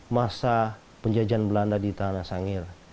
masa penjajahan belanda di tanah sangir